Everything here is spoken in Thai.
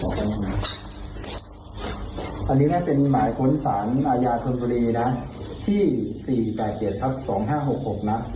อันนี้น่ะเป็นหมายค้นสารอาญาชนธุรีนะ